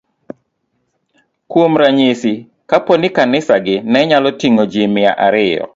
Kuom ranyisi, kapo ni kanisagi ne nyalo ting'o ji mia ariyo,